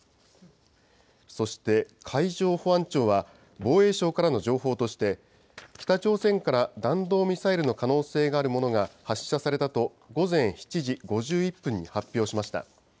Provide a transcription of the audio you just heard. そして海上保安庁は、防衛省からの情報として、北朝鮮から弾道ミサイルの可能性があるものが発射されたと、午前７時５１分に発表しました。